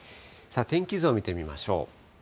天気図を見てみましょう。